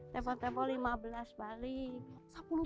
tepok tepok lima belas balik